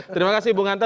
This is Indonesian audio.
terima kasih bung hanta